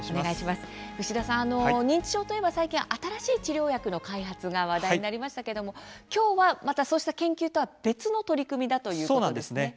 牛田さん、認知症といえば最近、新しい治療薬の開発が話題になりましたがそうした研究とはまた別の取り組みということですよね。